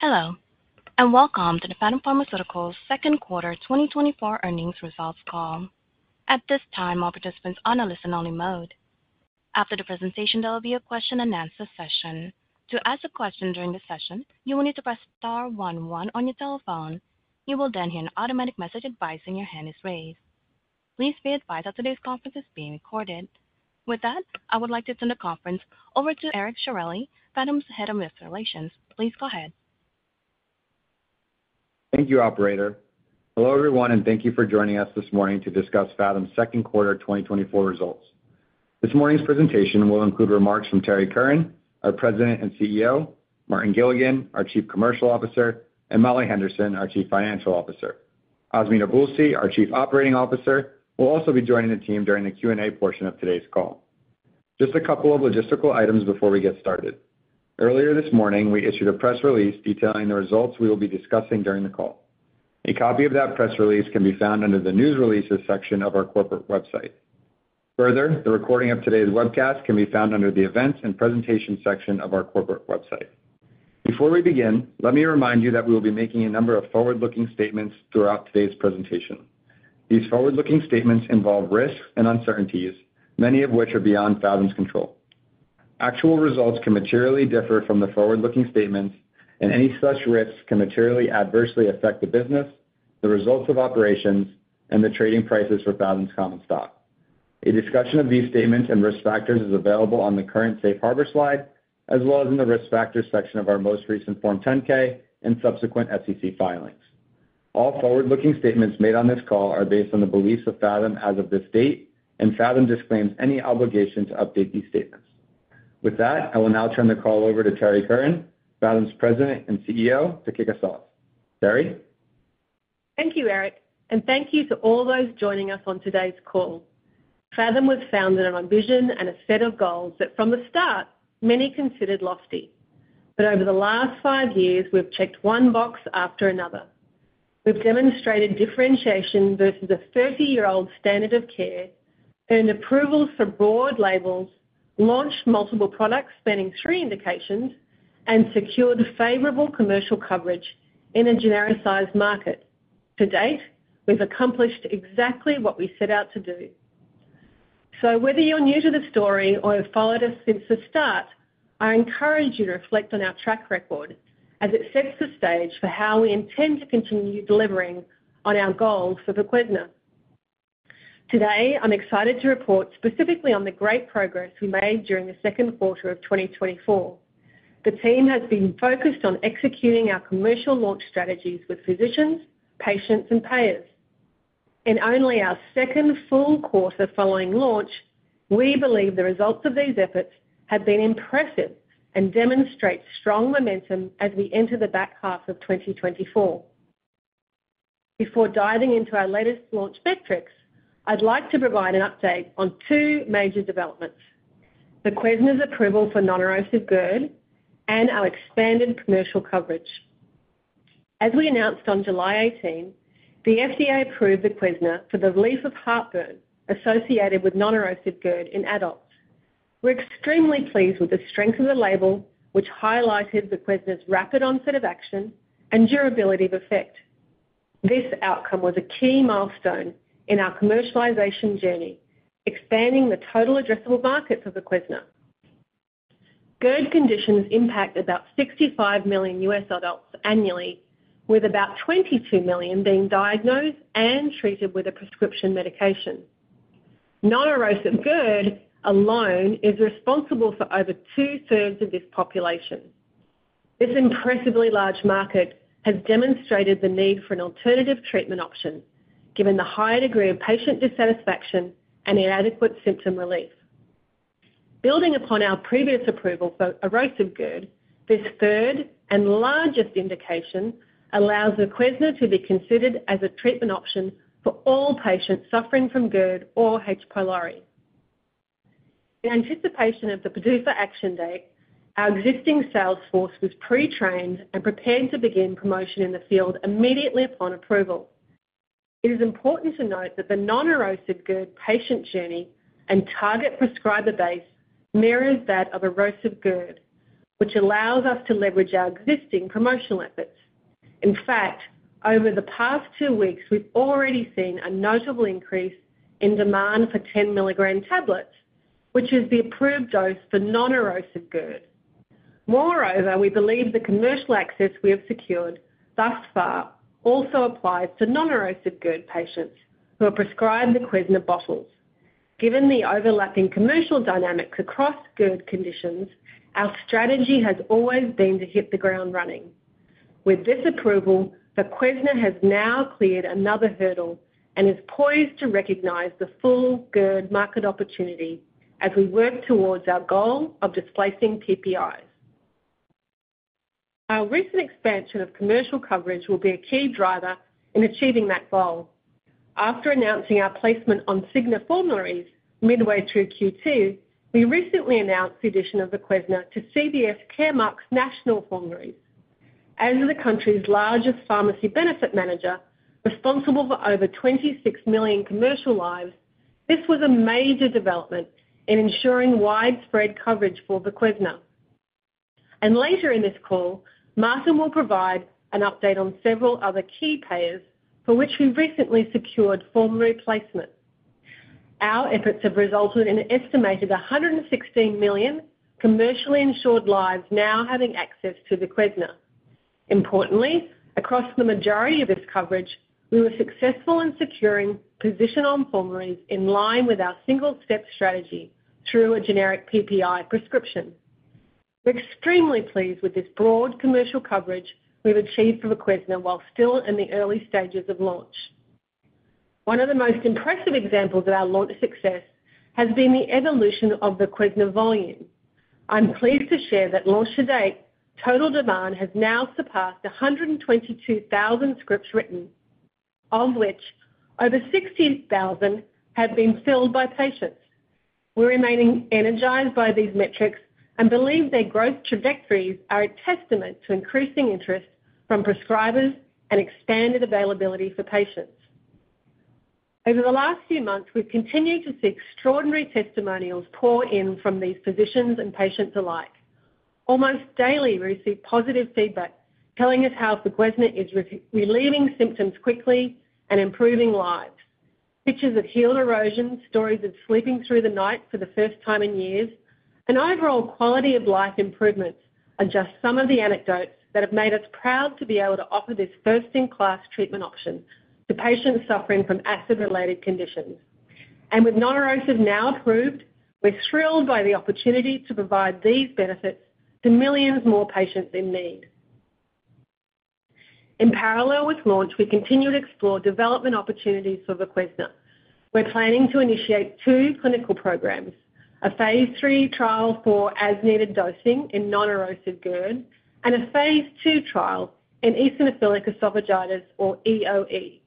Hello, and welcome to the Phathom Pharmaceuticals second quarter 2024 earnings results call. At this time, all participants are on a listen-only mode. After the presentation, there will be a question-and-answer session. To ask a question during the session, you will need to press star one one on your telephone. You will then hear an automatic message advising your hand is raised. Please be advised that today's conference is being recorded. With that, I would like to turn the conference over to Eric Sciorilli, Phathom's Head of Investor Relations. Please go ahead. Thank you, operator. Hello, everyone, and thank you for joining us this morning to discuss Phathom's second quarter 2024 results. This morning's presentation will include remarks from Terrie Curran, our President and CEO, Martin Gilligan, our Chief Commercial Officer, and Molly Henderson, our Chief Financial Officer. Azmi Nabulsi, our Chief Operating Officer, will also be joining the team during the Q&A portion of today's call. Just a couple of logistical items before we get started. Earlier this morning, we issued a press release detailing the results we will be discussing during the call. A copy of that press release can be found under the News Releases section of our corporate website. Further, the recording of today's webcast can be found under the Events and Presentation section of our corporate website. Before we begin, let me remind you that we will be making a number of forward-looking statements throughout today's presentation. These forward-looking statements involve risks and uncertainties, many of which are beyond Phathom's control. Actual results can materially differ from the forward-looking statements, and any such risks can materially adversely affect the business, the results of operations, and the trading prices for Phathom's common stock. A discussion of these statements and risk factors is available on the current safe harbor slide, as well as in the Risk Factors section of our most recent Form 10-K and subsequent SEC filings. All forward-looking statements made on this call are based on the beliefs of Phathom as of this date, and Phathom disclaims any obligation to update these statements. With that, I will now turn the call over to Terrie Curran, Phathom's President and CEO, to kick us off. Terrie? Thank you, Eric, and thank you to all those joining us on today's call. Phathom was founded on a vision and a set of goals that, from the start, many considered lofty. But over the last five years, we've checked one box after another. We've demonstrated differentiation versus a 30-year-old standard of care, earned approvals for broad labels, launched multiple products spanning three indications, and secured favorable commercial coverage in a genericized market. To date, we've accomplished exactly what we set out to do. So whether you're new to the story or have followed us since the start, I encourage you to reflect on our track record as it sets the stage for how we intend to continue delivering on our goals for Voquezna. Today, I'm excited to report specifically on the great progress we made during the second quarter of 2024. The team has been focused on executing our commercial launch strategies with physicians, patients, and payers. In only our second full quarter following launch, we believe the results of these efforts have been impressive and demonstrate strong momentum as we enter the back half of 2024. Before diving into our latest launch metrics, I'd like to provide an update on two major developments: Voquezna's approval for non-erosive GERD and our expanded commercial coverage. As we announced on July 18th, the FDA approved Voquezna for the relief of heartburn associated with non-erosive GERD in adults. We're extremely pleased with the strength of the label, which highlighted Voquezna's rapid onset of action and durability of effect. This outcome was a key milestone in our commercialization journey, expanding the total addressable market for Voquezna. GERD conditions impact about 65 million U.S. adults annually, with about 22 million being diagnosed and treated with a prescription medication. Non-erosive GERD alone is responsible for over 2/3 of this population. This impressively large market has demonstrated the need for an alternative treatment option, given the high degree of patient dissatisfaction and inadequate symptom relief. Building upon our previous approval for erosive GERD, this third and largest indication allows Voquezna to be considered as a treatment option for all patients suffering from GERD or H. pylori. In anticipation of the PDUFA action date, our existing sales force was pre-trained and prepared to begin promotion in the field immediately upon approval. It is important to note that the non-erosive GERD patient journey and target prescriber base mirrors that of erosive GERD, which allows us to leverage our existing promotional efforts. In fact, over the past two weeks, we've already seen a notable increase in demand for 10-milligram tablets, which is the approved dose for non-erosive GERD. Moreover, we believe the commercial access we have secured thus far also applies to non-erosive GERD patients who are prescribed Voquezna bottles. Given the overlapping commercial dynamics across GERD conditions, our strategy has always been to hit the ground running. With this approval, Voquezna has now cleared another hurdle and is poised to recognize the full GERD market opportunity as we work towards our goal of displacing PPIs. Our recent expansion of commercial coverage will be a key driver in achieving that goal. After announcing our placement on Cigna formularies midway through Q2, we recently announced the addition of Voquezna to CVS Caremark's national formularies. As the country's largest pharmacy benefit manager, responsible for over 26 million commercial lives-... This was a major development in ensuring widespread coverage for Voquezna. Later in this call, Martin will provide an update on several other key payers for which we recently secured formulary placement. Our efforts have resulted in an estimated 116 million commercially insured lives now having access to Voquezna. Importantly, across the majority of this coverage, we were successful in securing position on formularies in line with our single-step strategy through a generic PPI prescription. We're extremely pleased with this broad commercial coverage we've achieved for Voquezna while still in the early stages of launch. One of the most impressive examples of our launch success has been the evolution of the Voquezna volume. I'm pleased to share that launch to date, total demand has now surpassed 122,000 scripts written, of which over 60,000 have been filled by patients. We're remaining energized by these metrics and believe their growth trajectories are a testament to increasing interest from prescribers and expanded availability for patients. Over the last few months, we've continued to see extraordinary testimonials pour in from these physicians and patients alike. Almost daily, we receive positive feedback, telling us how Voquezna is relieving symptoms quickly and improving lives. Pictures of healed erosions, stories of sleeping through the night for the first time in years, and overall quality of life improvements are just some of the anecdotes that have made us proud to be able to offer this first-in-class treatment option to patients suffering from acid-related conditions. With non-erosive now approved, we're thrilled by the opportunity to provide these benefits to millions more patients in need. In parallel with launch, we continue to explore development opportunities for Voquezna. We're planning to initiate two clinical programs, a phase III trial for as-needed dosing in non-erosive GERD, and a phase II trial in eosinophilic esophagitis or EoE.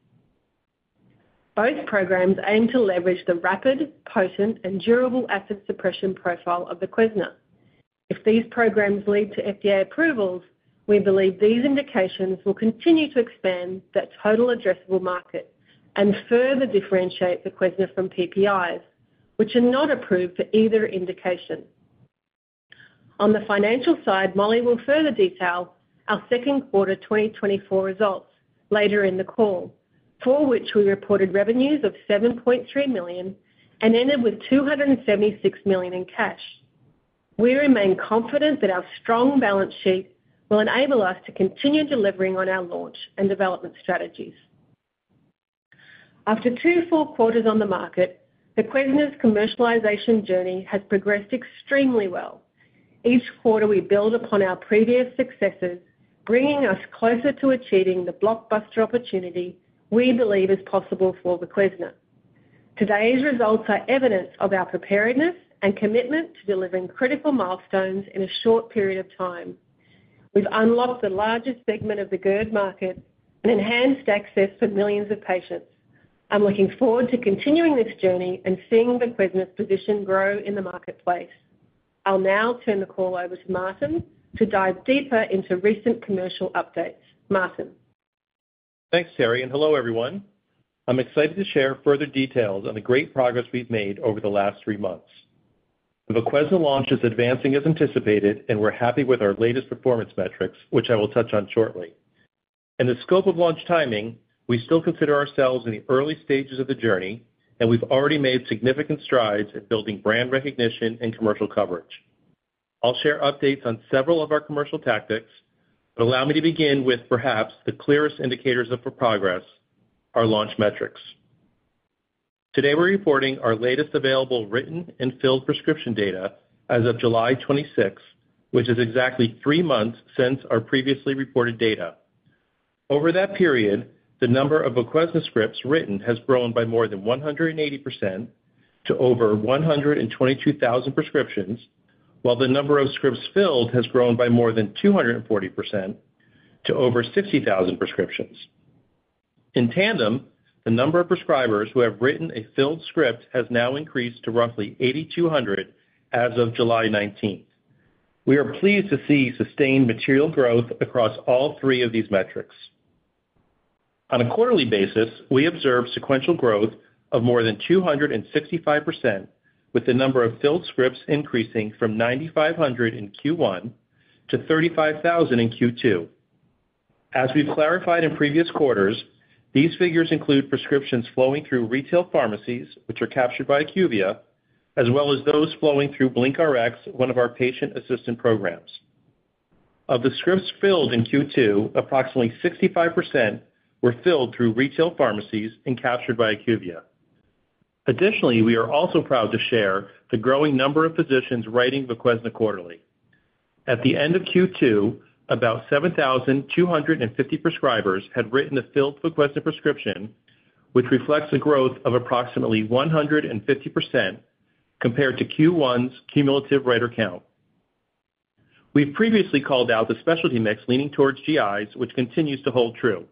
Both programs aim to leverage the rapid, potent, and durable acid suppression profile of Voquezna. If these programs lead to FDA approvals, we believe these indications will continue to expand that total addressable market and further differentiate Voquezna from PPIs, which are not approved for either indication. On the financial side, Molly will further detail our second quarter 2024 results later in the call, for which we reported revenues of $7.3 million and ended with $276 million in cash. We remain confident that our strong balance sheet will enable us to continue delivering on our launch and development strategies. After two full quarters on the market, Voquezna's commercialization journey has progressed extremely well. Each quarter, we build upon our previous successes, bringing us closer to achieving the blockbuster opportunity we believe is possible for Voquezna. Today's results are evidence of our preparedness and commitment to delivering critical milestones in a short period of time. We've unlocked the largest segment of the GERD market and enhanced access for millions of patients. I'm looking forward to continuing this journey and seeing Voquezna's position grow in the marketplace. I'll now turn the call over to Martin to dive deeper into recent commercial updates. Martin? Thanks, Terrie, and hello, everyone. I'm excited to share further details on the great progress we've made over the last three months. The Voquezna launch is advancing as anticipated, and we're happy with our latest performance metrics, which I will touch on shortly. In the scope of launch timing, we still consider ourselves in the early stages of the journey, and we've already made significant strides in building brand recognition and commercial coverage. I'll share updates on several of our commercial tactics, but allow me to begin with perhaps the clearest indicators of our progress, our launch metrics. Today, we're reporting our latest available written and filled prescription data as of July 26th, which is exactly three months since our previously reported data. Over that period, the number of Voquezna scripts written has grown by more than 180% to over 122,000 prescriptions, while the number of scripts filled has grown by more than 240% to over 60,000 prescriptions. In tandem, the number of prescribers who have written a filled script has now increased to roughly 8,200 as of July 19th. We are pleased to see sustained material growth across all three of these metrics. On a quarterly basis, we observed sequential growth of more than 265%, with the number of filled scripts increasing from 9,500 in Q1 to 35,000 in Q2. As we've clarified in previous quarters, these figures include prescriptions flowing through retail pharmacies, which are captured by IQVIA, as well as those flowing through BlinkRx, one of our patient assistance programs. Of the scripts filled in Q2, approximately 65% were filled through retail pharmacies and captured by IQVIA. Additionally, we are also proud to share the growing number of physicians writing Voquezna quarterly. At the end of Q2, about 7,250 prescribers had written a filled Voquezna prescription, which reflects a growth of approximately 150% compared to Q1's cumulative writer count. We've previously called out the specialty mix leaning towards GIs, which continues to hold true.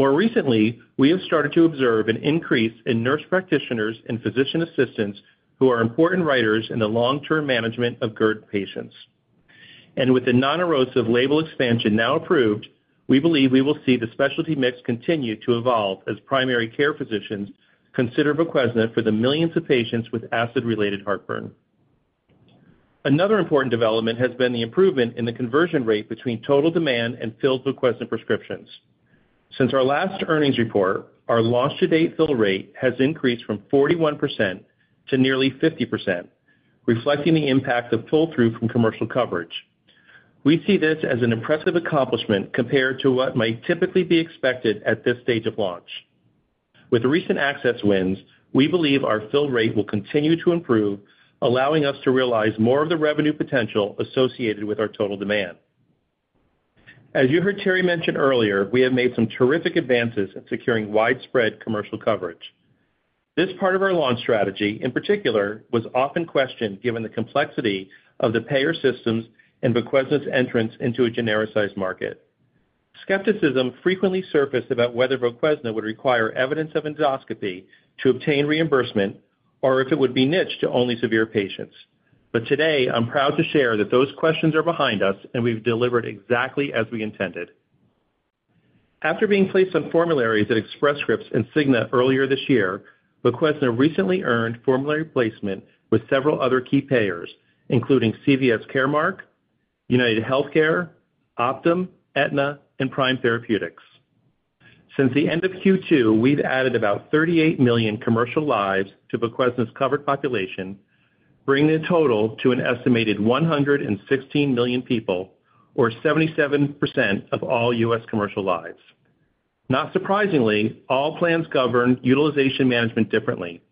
More recently, we have started to observe an increase in nurse practitioners and physician assistants who are important writers in the long-term management of GERD patients. With the non-erosive label expansion now approved, we believe we will see the specialty mix continue to evolve as primary care physicians consider Voquezna for the millions of patients with acid-related heartburn. Another important development has been the improvement in the conversion rate between total demand and filled Voquezna prescriptions. Since our last earnings report, our launch-to-date fill rate has increased from 41% to nearly 50%, reflecting the impact of pull-through from commercial coverage. We see this as an impressive accomplishment compared to what might typically be expected at this stage of launch. With the recent access wins, we believe our fill rate will continue to improve, allowing us to realize more of the revenue potential associated with our total demand. As you heard Terry mention earlier, we have made some terrific advances in securing widespread commercial coverage. This part of our launch strategy, in particular, was often questioned, given the complexity of the payer systems and Voquezna's entrance into a genericized market. Skepticism frequently surfaced about whether Voquezna would require evidence of endoscopy to obtain reimbursement or if it would be niched to only severe patients. But today, I'm proud to share that those questions are behind us, and we've delivered exactly as we intended. After being placed on formularies at Express Scripts and Cigna earlier this year, Voquezna recently earned formulary placement with several other key payers, including CVS Caremark, UnitedHealthcare, Optum, Aetna, and Prime Therapeutics. Since the end of Q2, we've added about 38 million commercial lives to Voquezna's covered population, bringing the total to an estimated 116 million people, or 77% of all U.S. commercial lives. Not surprisingly, all plans govern utilization management differently,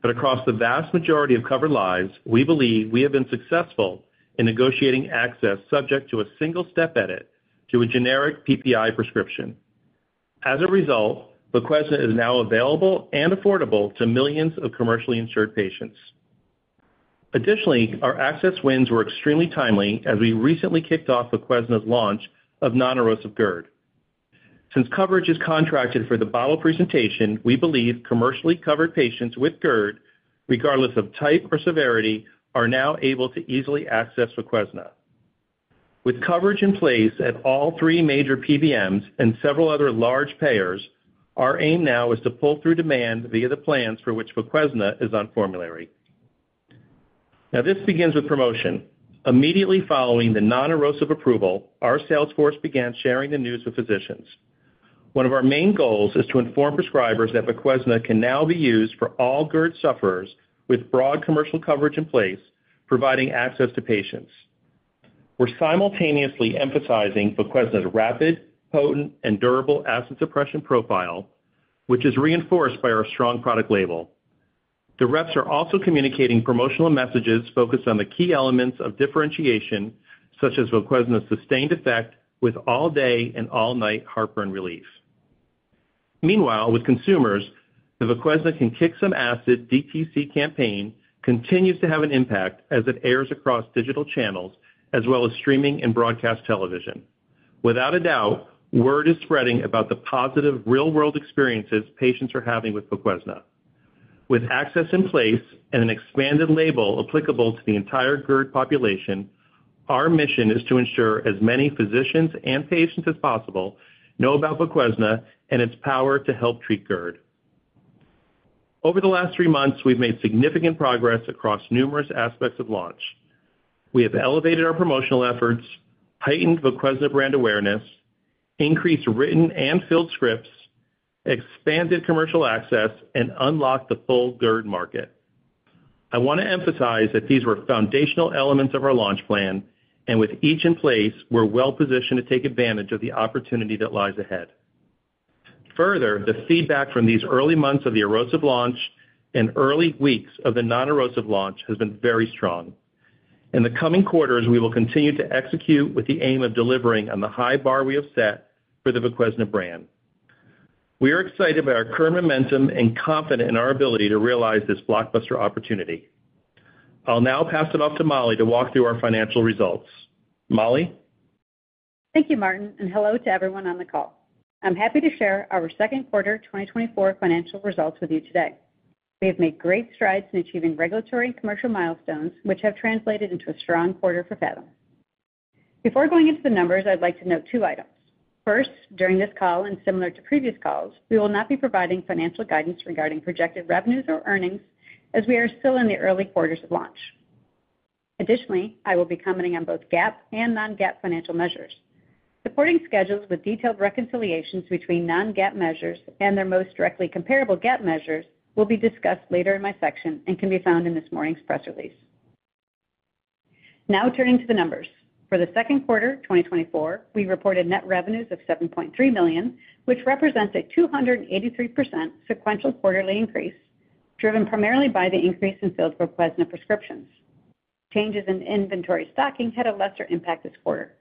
but across the vast majority of covered lives, we believe we have been successful in negotiating access subject to a single-step edit to a generic PPI prescription. As a result, Voquezna is now available and affordable to millions of commercially insured patients. Additionally, our access wins were extremely timely, as we recently kicked off Voquezna's launch of non-erosive GERD. Since coverage is contracted for the bottle presentation, we believe commercially covered patients with GERD, regardless of type or severity, are now able to easily access Voquezna. With coverage in place at all three major PBMs and several other large payers, our aim now is to pull through demand via the plans for which Voquezna is on formulary. Now, this begins with promotion. Immediately following the non-erosive approval, our sales force began sharing the news with physicians. One of our main goals is to inform prescribers that Voquezna can now be used for all GERD sufferers, with broad commercial coverage in place, providing access to patients. We're simultaneously emphasizing Voquezna's rapid, potent, and durable acid suppression profile, which is reinforced by our strong product label. The reps are also communicating promotional messages focused on the key elements of differentiation, such as Voquezna's sustained effect with all-day and all-night heartburn relief. Meanwhile, with consumers, the Voquezna Can Kick Some Acid DTC campaign continues to have an impact as it airs across digital channels, as well as streaming and broadcast television. Without a doubt, word is spreading about the positive real-world experiences patients are having with Voquezna. With access in place and an expanded label applicable to the entire GERD population, our mission is to ensure as many physicians and patients as possible know about Voquezna and its power to help treat GERD. Over the last three months, we've made significant progress across numerous aspects of launch. We have elevated our promotional efforts, heightened Voquezna brand awareness, increased written and filled scripts, expanded commercial access, and unlocked the full GERD market. I want to emphasize that these were foundational elements of our launch plan, and with each in place, we're well positioned to take advantage of the opportunity that lies ahead. Further, the feedback from these early months of the erosive launch and early weeks of the non-erosive launch has been very strong. In the coming quarters, we will continue to execute with the aim of delivering on the high bar we have set for the Voquezna brand. We are excited by our current momentum and confident in our ability to realize this blockbuster opportunity. I'll now pass it off to Molly to walk through our financial results. Molly? Thank you, Martin, and hello to everyone on the call. I'm happy to share our second quarter 2024 financial results with you today. We have made great strides in achieving regulatory and commercial milestones, which have translated into a strong quarter for Phathom. Before going into the numbers, I'd like to note two items. First, during this call, and similar to previous calls, we will not be providing financial guidance regarding projected revenues or earnings, as we are still in the early quarters of launch. Additionally, I will be commenting on both GAAP and non-GAAP financial measures. Supporting schedules with detailed reconciliations between non-GAAP measures and their most directly comparable GAAP measures will be discussed later in my section and can be found in this morning's press release. Now turning to the numbers. For the second quarter 2024, we reported net revenues of $7.3 million, which represents a 283% sequential quarterly increase, driven primarily by the increase in sales for Voquezna prescriptions. Changes in inventory stocking had a lesser impact this quarter.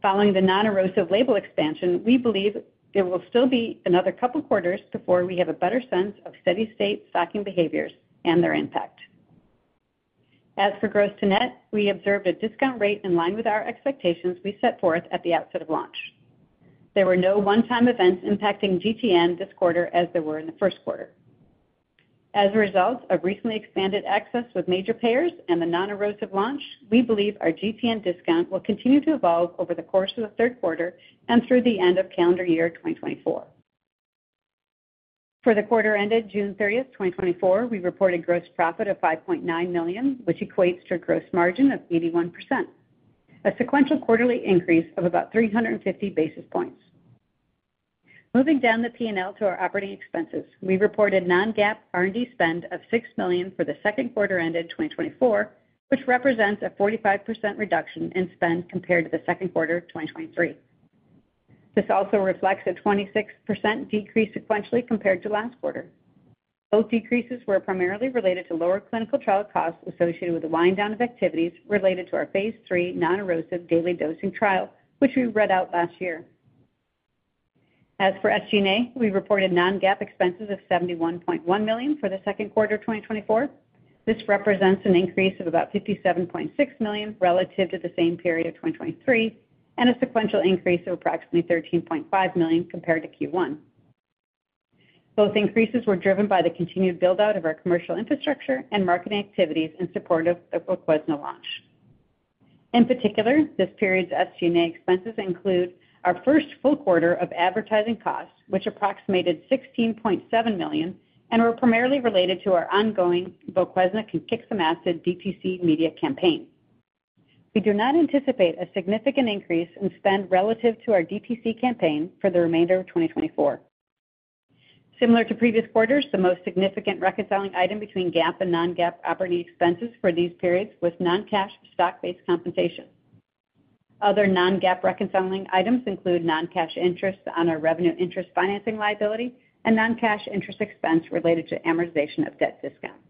Following the non-erosive label expansion, we believe there will still be another couple quarters before we have a better sense of steady-state stocking behaviors and their impact. As for gross to net, we observed a discount rate in line with our expectations we set forth at the outset of launch. There were no one-time events impacting GTN this quarter as there were in the first quarter. As a result of recently expanded access with major payers and the non-erosive launch, we believe our GTN discount will continue to evolve over the course of the third quarter and through the end of calendar year 2024. For the quarter ended June 30th, 2024, we reported gross profit of $5.9 million, which equates to a gross margin of 81%, a sequential quarterly increase of about 350 basis points. Moving down the PNL to our operating expenses, we reported non-GAAP R&D spend of $6 million for the second quarter ended 2024, which represents a 45% reduction in spend compared to the second quarter of 2023. This also reflects a 26% decrease sequentially compared to last quarter. Both decreases were primarily related to lower clinical trial costs associated with the wind down of activities related to our phase III non-erosive daily dosing trial, which we read out last year. As for SG&A, we reported non-GAAP expenses of $71.1 million for the second quarter of 2024. This represents an increase of about $57.6 million relative to the same period of 2023, and a sequential increase of approximately $13.5 million compared to Q1. Both increases were driven by the continued build-out of our commercial infrastructure and marketing activities in support of the Voquezna launch. In particular, this period's SG&A expenses include our first full quarter of advertising costs, which approximated $16.7 million and were primarily related to our ongoing Voquezna Can Kick Some Acid DTC media campaign. We do not anticipate a significant increase in spend relative to our DTC campaign for the remainder of 2024. Similar to previous quarters, the most significant reconciling item between GAAP and non-GAAP operating expenses for these periods was non-cash stock-based compensation. Other non-GAAP reconciling items include non-cash interest on our revenue interest financing liability and non-cash interest expense related to amortization of debt discount.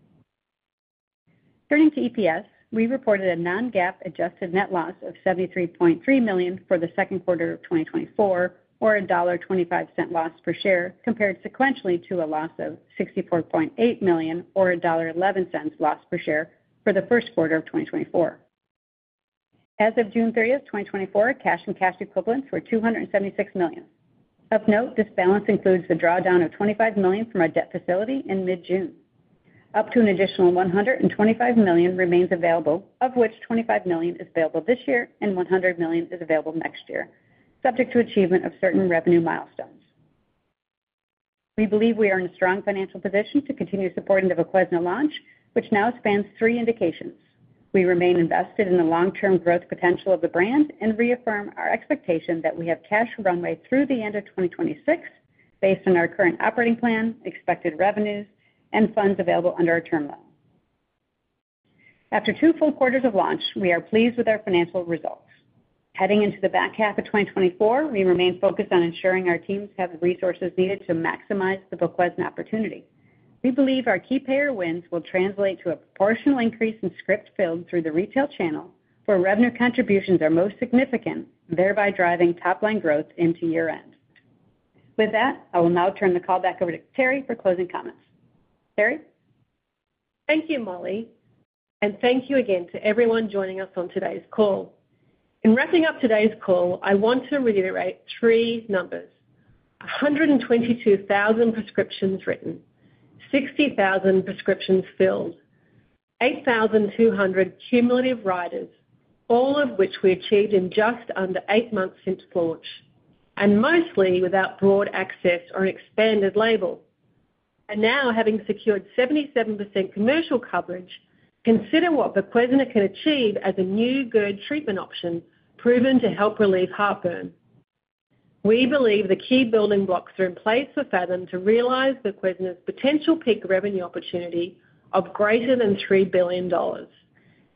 Turning to EPS, we reported a non-GAAP adjusted net loss of $73.3 million for the second quarter of 2024, or a $1.25 loss per share, compared sequentially to a loss of $64.8 million or a $1.11 loss per share for the first quarter of 2024. As of June 30th, 2024, cash and cash equivalents were $276 million. Of note, this balance includes the drawdown of $25 million from our debt facility in mid-June. Up to an additional $125 million remains available, of which $25 million is available this year and $100 million is available next year, subject to achievement of certain revenue milestones. We believe we are in a strong financial position to continue supporting the Voquezna launch, which now spans three indications. We remain invested in the long-term growth potential of the brand and reaffirm our expectation that we have cash runway through the end of 2026, based on our current operating plan, expected revenues, and funds available under our term loan. After two full quarters of launch, we are pleased with our financial results. Heading into the back half of 2024, we remain focused on ensuring our teams have the resources needed to maximize the Voquezna opportunity. We believe our key payer wins will translate to a proportional increase in script filled through the retail channel, where revenue contributions are most significant, thereby driving top line growth into year-end. With that, I will now turn the call back over to Terrie for closing comments. Terrie? Thank you, Molly, and thank you again to everyone joining us on today's call. In wrapping up today's call, I want to reiterate three numbers: 122,000 prescriptions written, 60,000 prescriptions filled, 8,200 cumulative writers, all of which we achieved in just under eight months since launch, and mostly without broad access or an expanded label. And now, having secured 77% commercial coverage, consider what Voquezna can achieve as a new GERD treatment option, proven to help relieve heartburn. We believe the key building blocks are in place for Phathom to realize Voquezna's potential peak revenue opportunity of greater than $3 billion.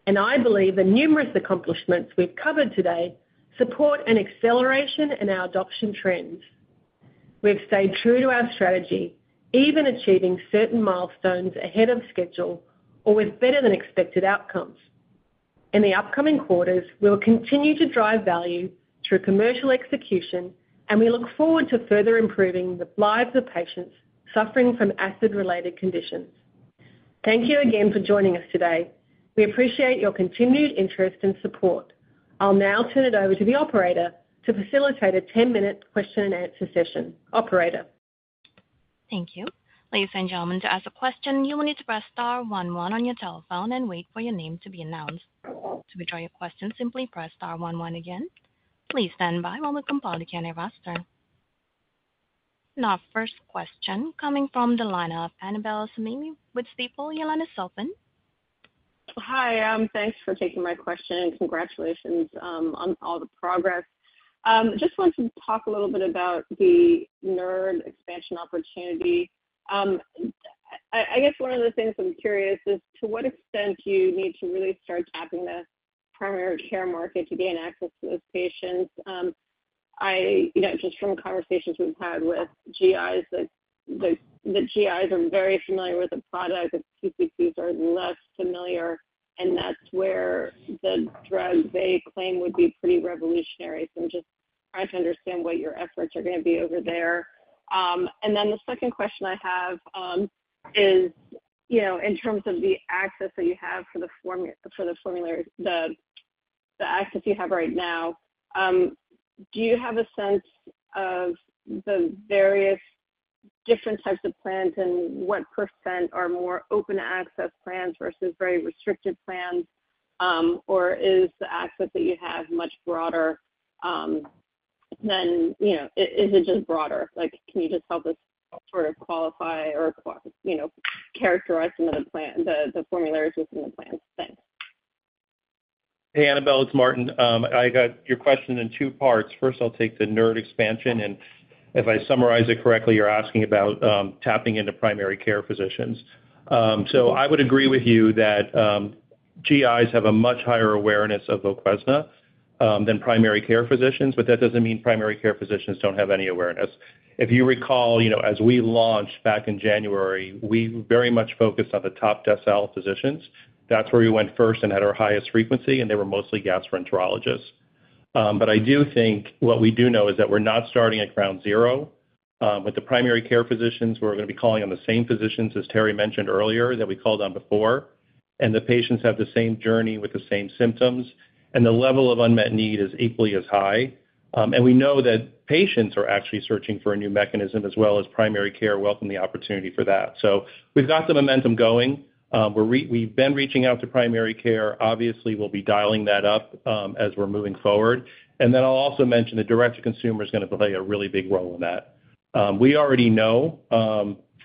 And I believe the numerous accomplishments we've covered today support an acceleration in our adoption trends. We have stayed true to our strategy, even achieving certain milestones ahead of schedule or with better-than-expected outcomes. In the upcoming quarters, we will continue to drive value through commercial execution, and we look forward to further improving the lives of patients suffering from acid-related conditions. Thank you again for joining us today. We appreciate your continued interest and support. I'll now turn it over to the operator to facilitate a 10-minute question and answer session. Operator? Thank you. Ladies and gentlemen, to ask a question, you will need to press star one one on your telephone and wait for your name to be announced. To withdraw your question, simply press star one one again. Please stand by while we compile the candidate roster. Our first question coming from the line of Annabel Samimy with Stifel, Your line is open. Hi, thanks for taking my question, and congratulations on all the progress. Just want to talk a little bit about the NERD expansion opportunity. I guess one of the things I'm curious is, to what extent do you need to really start tapping the primary care market to gain access to those patients? You know, just from conversations we've had with GIs, the GIs are very familiar with the product, the PCPs are less familiar, and that's where the drug, they claim, would be pretty revolutionary. So I'm just trying to understand what your efforts are going to be over there. And then the second question I have is, you know, in terms of the access that you have for the formulary, the-... the access you have right now, do you have a sense of the various different types of plans and what percent are more open access plans versus very restrictive plans? Or is the access that you have much broader than, you know, is it just broader? Like, can you just help us sort of qualify or, you know, characterize some of the plan, the formularies within the plans? Thanks. Hey, Annabel, it's Martin. I got your question in two parts. First, I'll take the NERD expansion, and if I summarize it correctly, you're asking about tapping into primary care physicians. So I would agree with you that GIs have a much higher awareness of Voquezna than primary care physicians, but that doesn't mean primary care physicians don't have any awareness. If you recall, you know, as we launched back in January, we very much focused on the top decile physicians. That's where we went first and had our highest frequency, and they were mostly gastroenterologists. But I do think what we do know is that we're not starting at ground zero. With the primary care physicians, we're gonna be calling on the same physicians as Terrie mentioned earlier, that we called on before, and the patients have the same journey with the same symptoms, and the level of unmet need is equally as high. And we know that patients are actually searching for a new mechanism, as well as primary care, welcome the opportunity for that. So we've got the momentum going. We're we've been reaching out to primary care. Obviously, we'll be dialing that up, as we're moving forward. And then I'll also mention that direct to consumer is gonna play a really big role in that. We already know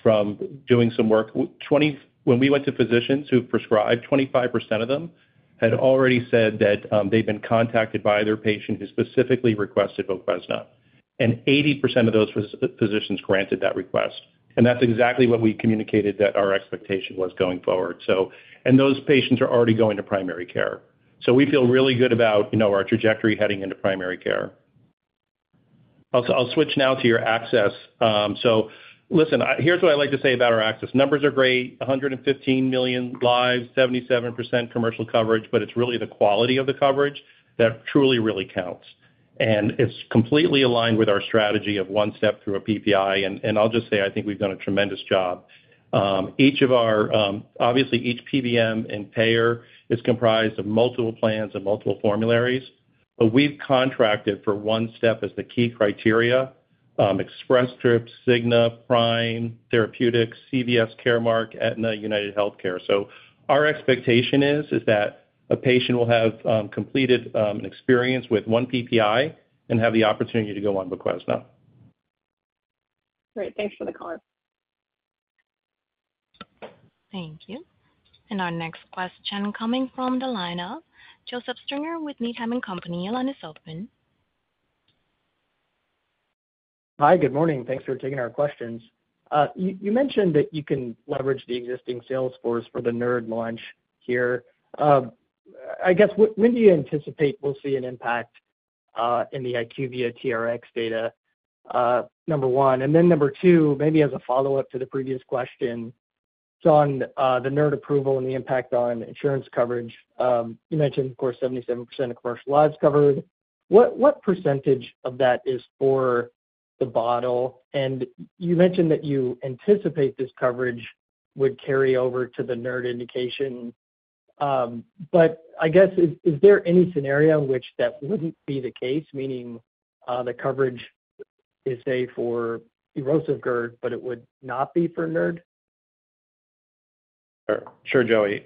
from doing some work, when we went to physicians who prescribed, 25% of them had already said that they've been contacted by their patient who specifically requested Voquezna, and 80% of those physicians granted that request. And that's exactly what we communicated, that our expectation was going forward. So and those patients are already going to primary care. So we feel really good about, you know, our trajectory heading into primary care. I'll switch now to your access. So listen, here's what I'd like to say about our access. Numbers are great, 115 million lives, 77% commercial coverage, but it's really the quality of the coverage that truly, really counts. It's completely aligned with our strategy of one step through a PPI, and I'll just say, I think we've done a tremendous job. Each of our, obviously, each PBM and payer is comprised of multiple plans and multiple formularies, but we've contracted for one step as the key criteria, Express Scripts, Cigna, Prime Therapeutics, CVS Caremark, Aetna, UnitedHealthcare. So our expectation is that a patient will have completed an experience with one PPI and have the opportunity to go on Voquezna. Great. Thanks for the color. Thank you. Our next question coming from the line of Joseph Stringer with Needham & Company. Your line is open. Hi, good morning. Thanks for taking our questions. You mentioned that you can leverage the existing sales force for the NERD launch here. I guess, when do you anticipate we'll see an impact in the IQVIA TRx data? Number one, and then number two, maybe as a follow-up to the previous question, so on the NERD approval and the impact on insurance coverage, you mentioned, of course, 77% of commercial lives covered. What percentage of that is for the bottle? And you mentioned that you anticipate this coverage would carry over to the NERD indication. But I guess, is there any scenario in which that wouldn't be the case? Meaning, the coverage is, say, for erosive GERD, but it would not be for NERD? Sure, Joey.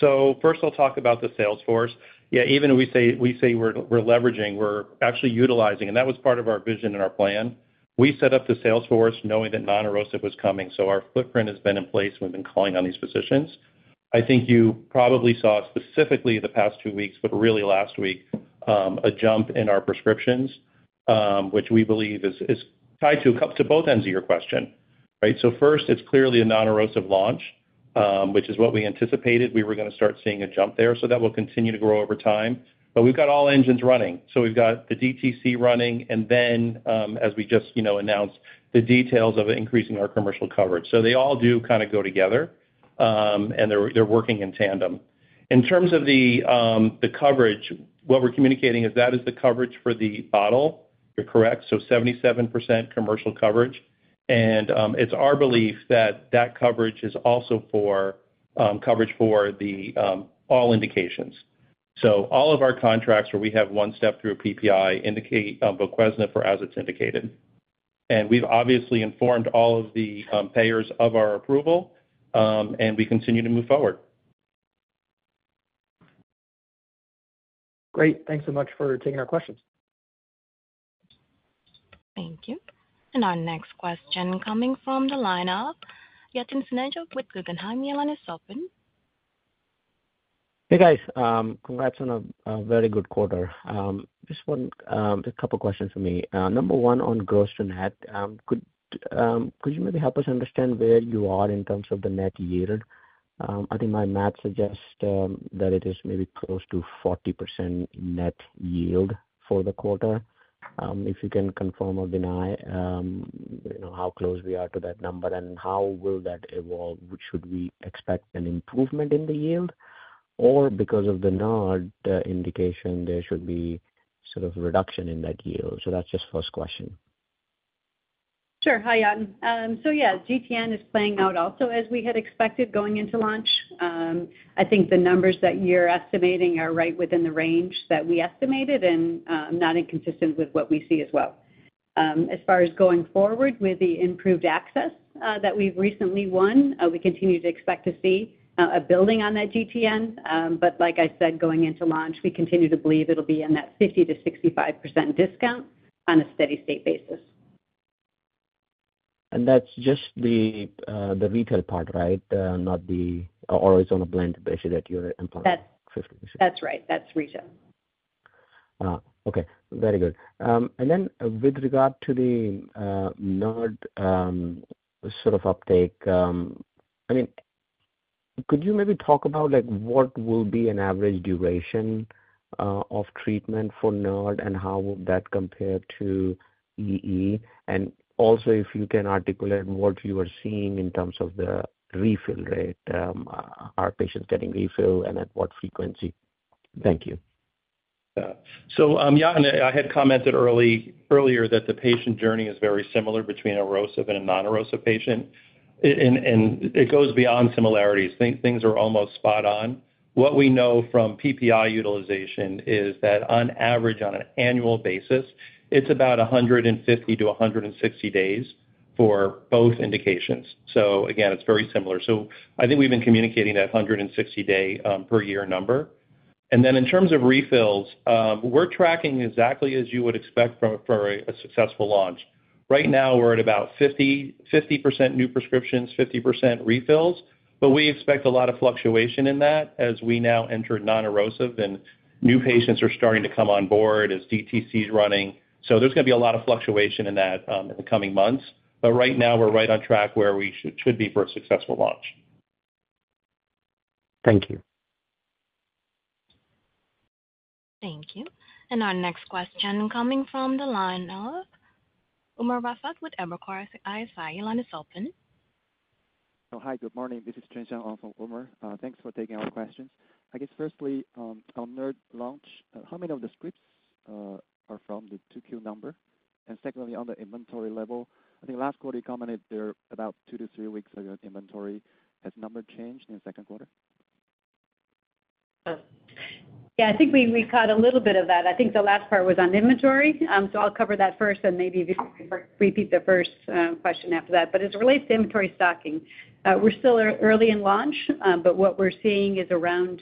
So first I'll talk about the sales force. Yeah, even we say we're leveraging, we're actually utilizing, and that was part of our vision and our plan. We set up the sales force knowing that non-erosive was coming, so our footprint has been in place, and we've been calling on these physicians. I think you probably saw specifically the past two weeks, but really last week, a jump in our prescriptions, which we believe is tied to both ends of your question, right? So first, it's clearly a non-erosive launch, which is what we anticipated. We were gonna start seeing a jump there, so that will continue to grow over time. But we've got all engines running, so we've got the DTC running, and then, as we just, you know, announced the details of increasing our commercial coverage. So they all do kind of go together, and they're working in tandem. In terms of the coverage, what we're communicating is that is the coverage for the bottle. You're correct, so 77% commercial coverage. And, it's our belief that that coverage is also for coverage for all indications. So all of our contracts, where we have one step through a PPI, indicate Voquezna for as it's indicated. And we've obviously informed all of the payers of our approval, and we continue to move forward. Great. Thanks so much for taking our questions. Thank you. And our next question coming from the line of Yatin Suneja with Guggenheim. Your line is open. Hey, guys, congrats on a very good quarter. Just one, just a couple questions for me. Number one, on gross to net, could you maybe help us understand where you are in terms of the net yield? I think my math suggests that it is maybe close to 40% net yield for the quarter. If you can confirm or deny, you know, how close we are to that number, and how will that evolve? Should we expect an improvement in the yield, or because of the NERD indication, there should be sort of a reduction in that yield? So that's just first question. ... Sure. Hi, Yatin. So yeah, GTN is playing out also as we had expected going into launch. I think the numbers that you're estimating are right within the range that we estimated, and not inconsistent with what we see as well. As far as going forward with the improved access that we've recently won, we continue to expect to see a building on that GTN. But like I said, going into launch, we continue to believe it'll be in that 50%-65% discount on a steady-state basis. And that's just the retail part, right? Not the Aetna blend basically, that you're implementing. That's right. That's retail. Okay, very good. And then with regard to the NERD, sort of uptake, I mean, could you maybe talk about, like, what will be an average duration of treatment for NERD, and how would that compare to EE? And also, if you can articulate what you are seeing in terms of the refill rate, are patients getting refill and at what frequency? Thank you. Yeah. So, Yatin, I had commented earlier that the patient journey is very similar between erosive and a non-erosive patient, and it goes beyond similarities. Things are almost spot on. What we know from PPI utilization is that on average, on an annual basis, it's about 150 to 160 days for both indications. So again, it's very similar. So I think we've been communicating that 160-day per year number. And then in terms of refills, we're tracking exactly as you would expect from for a successful launch. Right now, we're at about 50% new prescriptions, 50% refills, but we expect a lot of fluctuation in that as we now enter non-erosive and new patients are starting to come on board as DTC is running. So there's gonna be a lot of fluctuation in that, in the coming months. But right now, we're right on track where we should be for a successful launch. Thank you. Thank you. And our next question coming from the line of Umer Rafat with Evercore ISI. Your line is open. Oh, hi, good morning. This is Chengxiang from Umer. Thanks for taking our questions. I guess, firstly, on NERD launch, how many of the scripts are from the 2Q number? And secondly, on the inventory level, I think last quarter you commented there about two to three weeks ago, inventory. Has number changed in the second quarter? Yeah, I think we caught a little bit of that. I think the last part was on inventory. So I'll cover that first and maybe repeat the first question after that. But as it relates to inventory stocking, we're still early in launch, but what we're seeing is around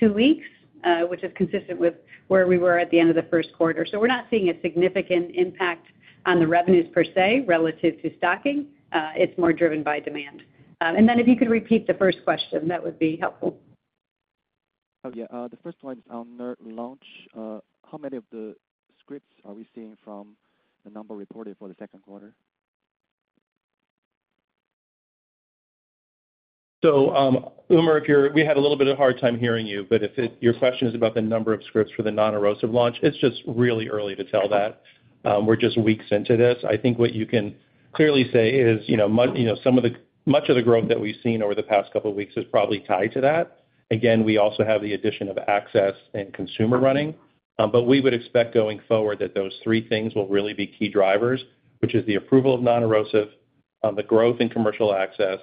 two weeks, which is consistent with where we were at the end of the first quarter. So we're not seeing a significant impact on the revenues per se, relative to stocking. It's more driven by demand. And then if you could repeat the first question, that would be helpful. Oh, yeah. The first one is on NERD launch. How many of the scripts are we seeing from the number reported for the second quarter? So, Umer, if you're—we had a little bit of hard time hearing you, but if your question is about the number of scripts for the non-erosive launch, it's just really early to tell that. We're just weeks into this. I think what you can clearly say is, you know, much of the growth that we've seen over the past couple of weeks is probably tied to that. Again, we also have the addition of access and consumer running, but we would expect going forward that those three things will really be key drivers, which is the approval of non-erosive, the growth in commercial access,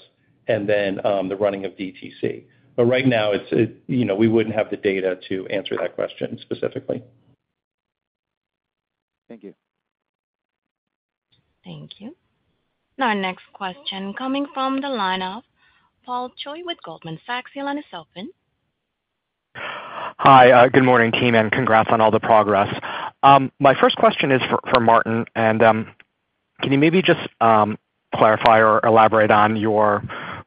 and then, the running of DTC. But right now, it... You know, we wouldn't have the data to answer that question specifically. Thank you. Thank you. Our next question coming from the line of Paul Choi with Goldman Sachs. Your line is open. Hi, good morning, team, and congrats on all the progress. My first question is for Martin, and can you maybe just clarify or elaborate on your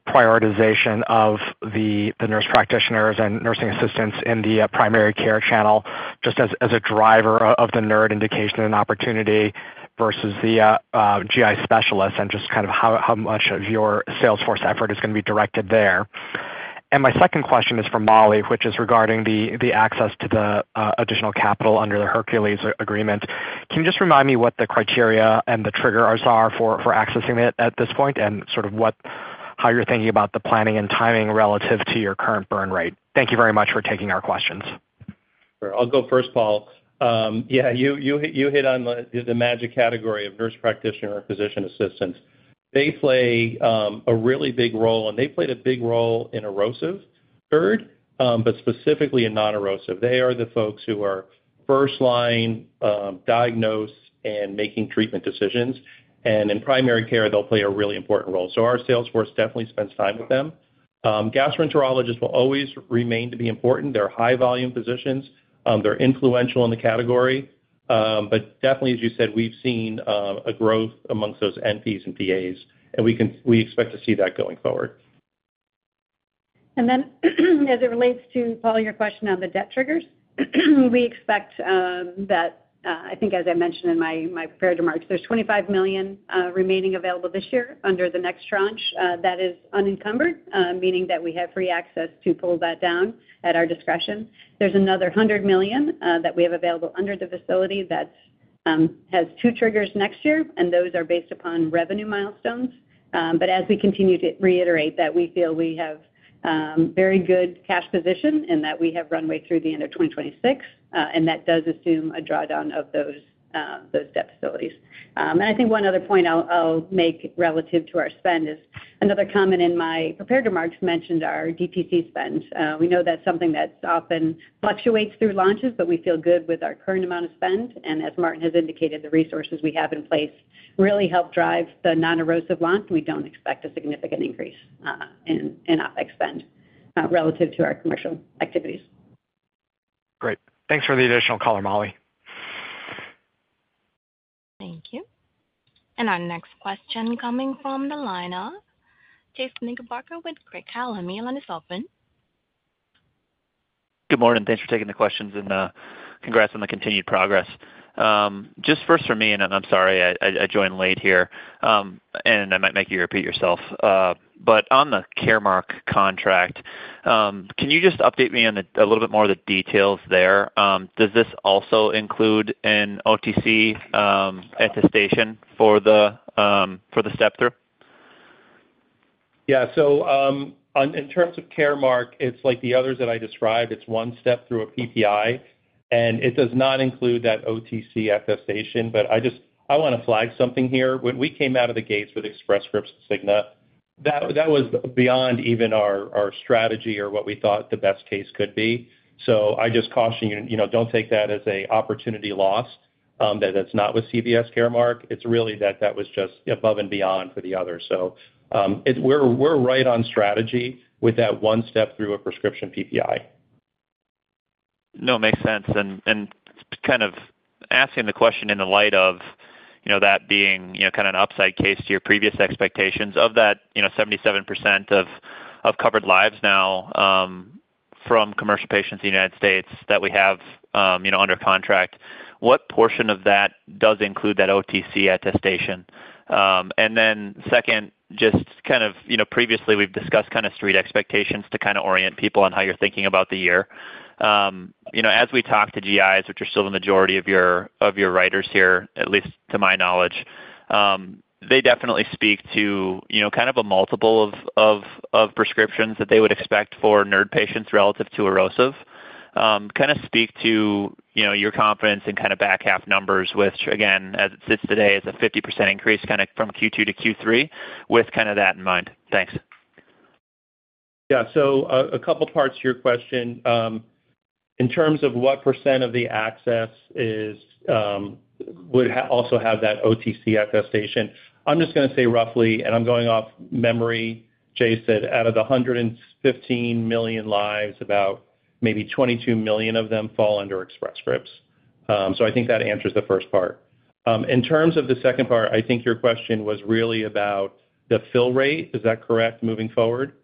prioritization of the nurse practitioners and nursing assistants in the primary care channel, just as a driver of the NERD indication and opportunity versus the GI specialists, and just kind of how much of your sales force effort is gonna be directed there? And my second question is for Molly, which is regarding the access to the additional capital under the Hercules agreement. Can you just remind me what the criteria and the triggers are for accessing it at this point, and sort of what how you're thinking about the planning and timing relative to your current burn rate? Thank you very much for taking our questions. Sure. I'll go first, Paul. Yeah, you hit on the magic category of nurse practitioner or physician assistants. They play a really big role, and they played a big role in erosive GERD, but specifically in non-erosive GERD. They are the folks who are first line diagnose and making treatment decisions. And in primary care, they'll play a really important role. So our sales force definitely spends time with them. Gastroenterologists will always remain to be important. They're high volume physicians, they're influential in the category, but definitely, as you said, we've seen a growth amongst those NPs and PAs, and we expect to see that going forward. And then, as it relates to, Paul, your question on the debt triggers, we expect, that, I think as I mentioned in my prepared remarks, there's $25 million remaining available this year under the next tranche, that is unencumbered, meaning that we have free access to pull that down at our discretion. There's another $100 million that we have available under the facility that has two triggers next year, and those are based upon revenue milestones.... But as we continue to reiterate that we feel we have very good cash position and that we have runway through the end of 2026, and that does assume a drawdown of those those debt facilities. And I think one other point I'll make relative to our spend is another comment in my prepared remarks mentioned our DTC spend. We know that's something that often fluctuates through launches, but we feel good with our current amount of spend, and as Martin has indicated, the resources we have in place really help drive the non-erosive launch. We don't expect a significant increase in OpEx spend relative to our commercial activities. Great. Thanks for the additional color, Molly. Thank you. And our next question coming from the line of Chase Knickerbocker with Craig-Hallum. Your line is open. Good morning. Thanks for taking the questions, and, congrats on the continued progress. Just first for me, and I'm sorry, I joined late here, and I might make you repeat yourself. But on the Caremark contract, can you just update me on the... a little bit more of the details there? Does this also include an OTC, attestation for the step-through? Yeah. So, in terms of Caremark, it's like the others that I described. It's one step through a PPI, and it does not include that OTC attestation, but I just—I wanna flag something here. When we came out of the gates with Express Scripts Cigna, that, that was beyond even our, our strategy or what we thought the best case could be. So I just caution you, you know, don't take that as an opportunity loss, that it's not with CVS Caremark. It's really that that was just above and beyond for the others. So, it... We're, we're right on strategy with that one step through a prescription PPI. No, it makes sense, and kind of asking the question in the light of, you know, that being, you know, kind of an upside case to your previous expectations of that, you know, 77% of covered lives now, from commercial patients in the United States that we have, you know, under contract. What portion of that does include that OTC attestation? And then second, just kind of, you know, previously, we've discussed kind of street expectations to kind of orient people on how you're thinking about the year. You know, as we talk to GIs, which are still the majority of your, of your writers here, at least to my knowledge, they definitely speak to, you know, kind of a multiple of prescriptions that they would expect for NERD patients relative to erosive. Kind of speak to, you know, your confidence in kind of back half numbers, which, again, as it sits today, is a 50% increase kind of from Q2 to Q3, with kind of that in mind. Thanks. Yeah. So a couple parts to your question. In terms of what % of the access is, would also have that OTC attestation, I'm just gonna say roughly, and I'm going off memory, Chase, that out of the 115 million lives, about maybe 22 million of them fall under Express Scripts. So I think that answers the first part. In terms of the second part, I think your question was really about the fill rate. Is that correct, moving forward?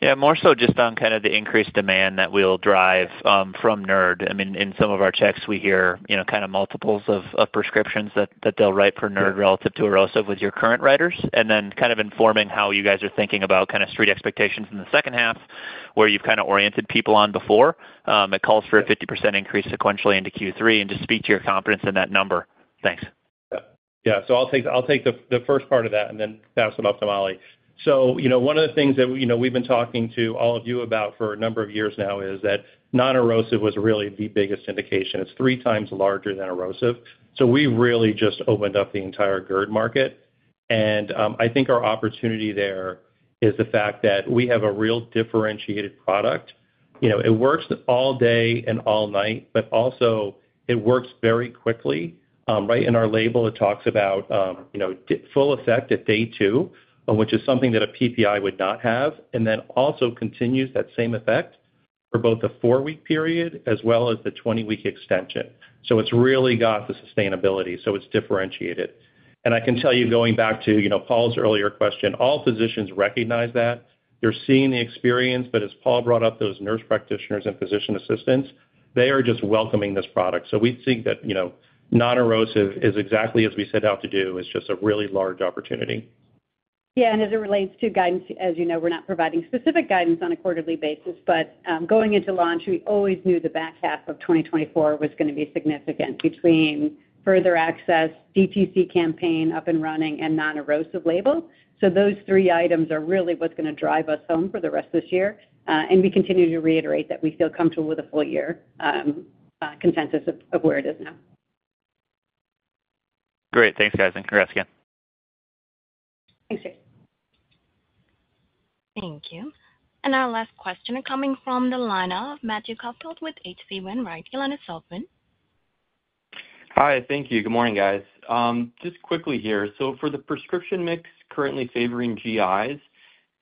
Yeah, more so just on kind of the increased demand that we'll drive from NERD. I mean, in some of our checks, we hear, you know, kind of multiples of prescriptions that they'll write for NERD relative to erosive with your current writers. And then kind of informing how you guys are thinking about kind of street expectations in the second half, where you've kind of oriented people on before. It calls for a 50% increase sequentially into Q3, and just speak to your confidence in that number. Thanks. Yeah. Yeah. So I'll take the first part of that and then pass them up to Molly. So, you know, one of the things that, you know, we've been talking to all of you about for a number of years now is that non-erosive was really the biggest indication. It's 3x larger than erosive. So we really just opened up the entire GERD market, and I think our opportunity there is the fact that we have a real differentiated product. You know, it works all day and all night, but also it works very quickly. Right in our label, it talks about, you know, full effect at day two, which is something that a PPI would not have, and then also continues that same effect for both the four-week period as well as the 20-week extension. So it's really got the sustainability, so it's differentiated. And I can tell you, going back to, you know, Paul's earlier question, all physicians recognize that. They're seeing the experience, but as Paul brought up, those nurse practitioners and physician assistants, they are just welcoming this product. So we think that, you know, non-erosive is exactly as we set out to do. It's just a really large opportunity. Yeah, and as it relates to guidance, as you know, we're not providing specific guidance on a quarterly basis, but going into launch, we always knew the back half of 2024 was gonna be significant between further access, DTC campaign up and running, and non-erosive label. So those three items are really what's gonna drive us home for the rest of this year, and we continue to reiterate that we feel comfortable with the full year consensus of where it is now. Great. Thanks, guys, and congrats again. Thanks, Chase. Thank you. Our last question coming from the line of Matthew Caufield with H.C. Wainwright. Your line is open. Hi. Thank you. Good morning, guys. Just quickly here. So for the prescription mix currently favoring GIs,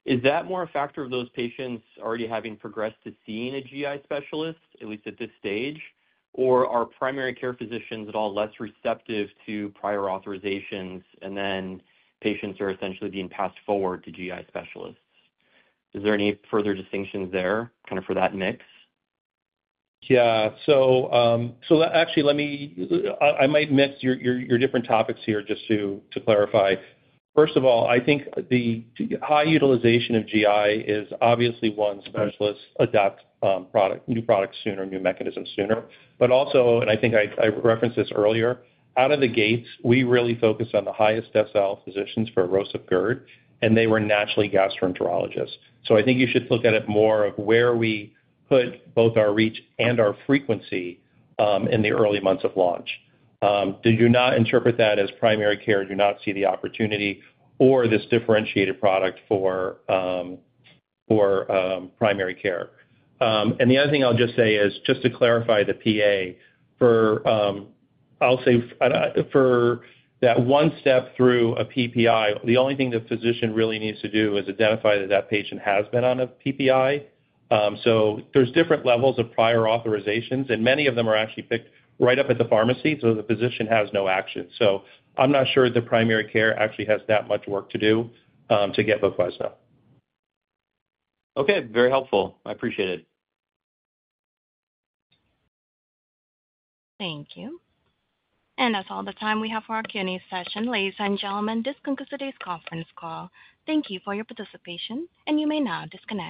is that more a factor of those patients already having progressed to seeing a GI specialist, at least at this stage? Or are primary care physicians at all less receptive to prior authorizations, and then patients are essentially being passed forward to GI specialists? Is there any further distinctions there, kind of for that mix? Yeah. So actually, let me... I might have missed your different topics here, just to clarify. First of all, I think the high utilization of GI is obviously one specialist adopt product, new products sooner, new mechanisms sooner. But also, I think I referenced this earlier, out of the gates, we really focused on the highest decile physicians for erosive GERD, and they were naturally gastroenterologists. So I think you should look at it more of where we put both our reach and our frequency in the early months of launch. Do not interpret that as primary care, do not see the opportunity or this differentiated product for primary care. And the other thing I'll just say is, just to clarify the PA, for, I'll say, for that one step through a PPI, the only thing the physician really needs to do is identify that that patient has been on a PPI. So there's different levels of prior authorizations, and many of them are actually picked right up at the pharmacy, so the physician has no action. So I'm not sure the primary care actually has that much work to do, to get Voquezna. Okay. Very helpful. I appreciate it. Thank you. That's all the time we have for our Q&A session. Ladies and gentlemen, this concludes today's conference call. Thank you for your participation, and you may now disconnect.